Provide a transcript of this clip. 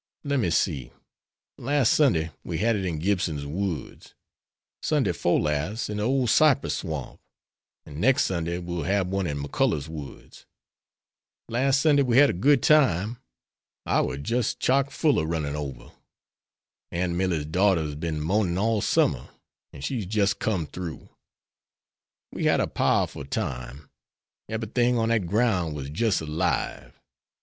"Lem me see. Las' Sunday we had it in Gibson's woods; Sunday 'fore las', in de old cypress swamp; an' nex' Sunday we'el hab one in McCullough's woods. Las' Sunday we had a good time. I war jis' chock full an' runnin' ober. Aunt Milly's daughter's bin monin all summer, an' she's jis' come throo. We had a powerful time. Eberythin' on dat groun' was jis' alive.